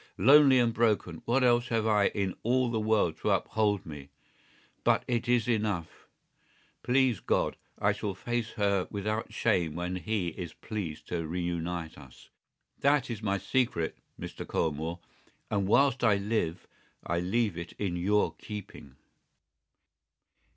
Lonely and broken, what else have I in all the world to uphold me? But it is enough. Please God, I shall face her without shame when He is pleased to reunite us! That is my secret, Mr. Colmore, and whilst I live I leave it in your keeping."